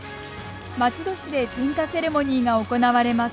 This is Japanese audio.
松戸市で点火セレモニーが行われます。